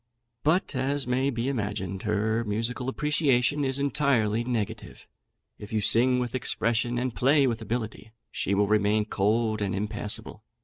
But, as may be imagined, her musical appreciation is entirely negative; if you sing with expression, and play with ability, she will remain cold and impassible.